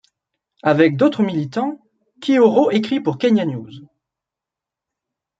Avec d'autres militants, Kihoro écrit pour Kenya News.